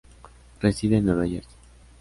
Reside en Nueva Jersey.